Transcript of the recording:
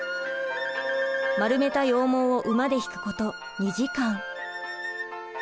丸めた羊毛を馬で引くこと２時間。